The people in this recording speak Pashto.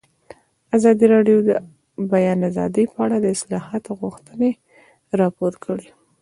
ازادي راډیو د د بیان آزادي په اړه د اصلاحاتو غوښتنې راپور کړې.